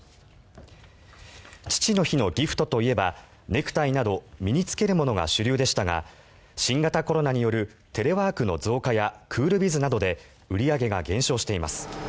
父の日のギフトといえばネクタイなど身に着けるものが主流でしたが新型コロナによるテレワークの増加やクールビズなどで売り上げが減少しています。